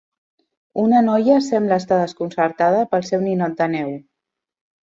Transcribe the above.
Una noia sembla estar desconcertada pel seu ninot de neu.